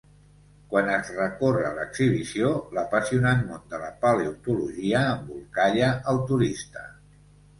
Quan es recorre l'exhibició, l'apassionant món de la paleontologia embolcalla el turista.